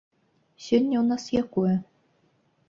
Сёння ў нас якое?